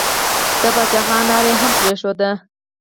د پاچا خان لاره يې هم پرېښوده.